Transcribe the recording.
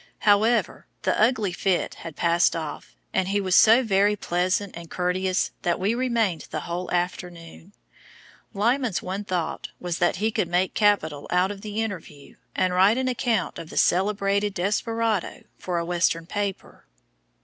However, the "ugly fit" had passed off, and he was so very pleasant and courteous that we remained the whole afternoon. Lyman's one thought was that he could make capital out of the interview, and write an account of the celebrated desperado for a Western paper.